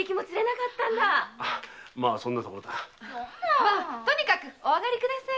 かったんだとにかくお上がりください。